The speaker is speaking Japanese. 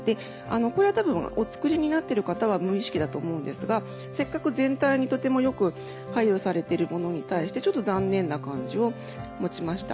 これは多分お作りになってる方は無意識だと思うんですがせっかく全体にとても良く配慮されてるものに対してちょっと残念な感じを持ちました。